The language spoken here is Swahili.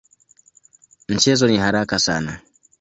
Mchezo ni haraka sana.